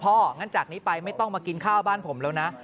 งั้นจากนี้ไปไม่ต้องมากินข้าวบ้านผมแล้วนะ